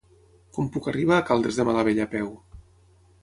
Com puc arribar a Caldes de Malavella a peu?